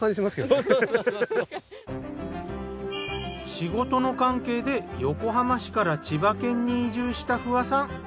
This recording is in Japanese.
仕事の関係で横浜市から千葉県に移住した不破さん。